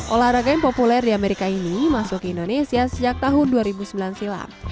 olahraga yang populer di amerika ini masuk ke indonesia sejak tahun dua ribu sembilan silam